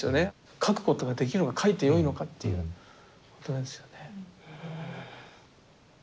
描くことができるが描いてよいのかっていうことなんですよね。